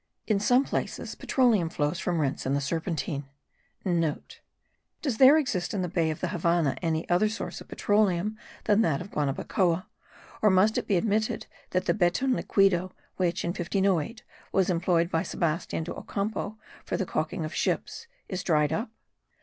In some places petroleum flows* from rents in the serpentine. (* Does there exist in the Bay of the Havannah any other source of petroleum than that of Guanabacoa, or must it be admitted that the betun liquido, which in 1508 was employed by Sebastian de Ocampo for the caulking of ships, is dried up?